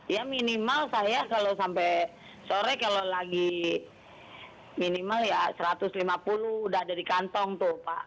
ya minimal saya kalau sampai sore kalau lagi minimal ya satu ratus lima puluh udah ada di kantong tuh pak